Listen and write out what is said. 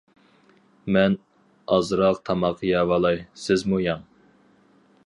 مەن ئازراق تاماق يەۋالاي، سىزمۇ يەڭ.